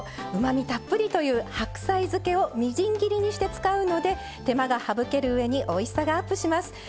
うまみたっぷりという白菜漬けをみじん切りにして使うので手間が省けるうえにおいしさがアップします。